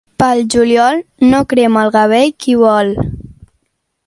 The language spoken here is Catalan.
Pel juliol no crema el gavell qui vol.